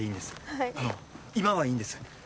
はいあの今はいいんです